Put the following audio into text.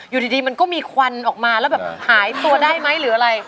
อยู่ดีมันก็มีควันออกมาแล้วแบบหายตัวได้ไหมหรืออะไร